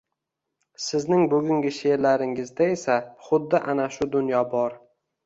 Sizning bugungi sheʼrlaringizda esa, xuddi ana shu dunyo bor